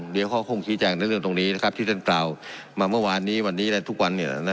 เดี๋ยวเขาคงชี้แจงในเรื่องตรงนี้นะครับที่ท่านกล่าวมาเมื่อวานนี้วันนี้และทุกวัน